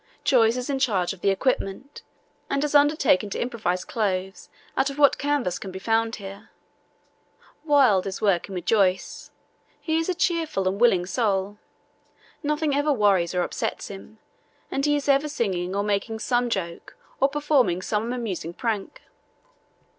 Joyce is in charge of the equipment and has undertaken to improvise clothes out of what canvas can be found here. Wild is working with Joyce. He is a cheerful, willing soul. Nothing ever worries or upsets him, and he is ever singing or making some joke or performing some amusing prank.